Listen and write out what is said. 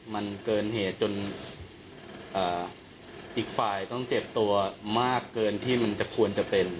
มันเกินเหตุจนอีกฝ่ายต้องเจ็บตัวมากเกินที่มันจะควรจะเป็น